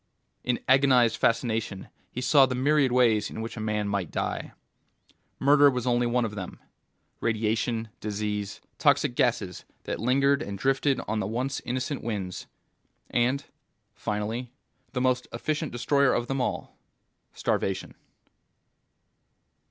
In agonized fascination he saw the myriad ways in which a man might die. Murder was only one of them. Radiation, disease, toxic gases that lingered and drifted on the once innocent winds, and finally the most efficient destroyer of them all: starvation.